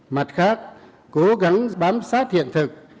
mặt khác cố gắng bám sát hiện thực